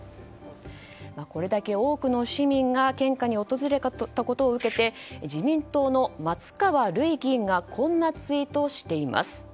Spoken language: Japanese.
これだけ多くの市民が献花に訪れたことを受けて自民党の松川るい議員がこんなツイートをしています。